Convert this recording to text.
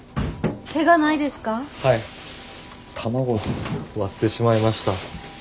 はい卵割ってしまいました。